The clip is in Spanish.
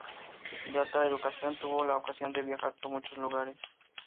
De alta educación, tuvo la ocasión de viajar por muchos lugares.